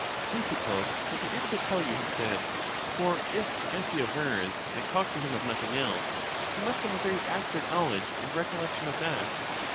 Ctesippus will be able to tell you, he said; for if, as he avers, I talk to him of nothing else, he must have a very accurate knowledge and recollection of that.